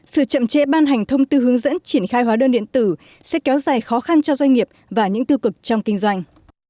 sự chậm trễ ban hành thông tư hướng dẫn triển khai hóa đơn điện tử sẽ kéo dài khó khăn cho doanh nghiệp và những tư cực trong kinh doanh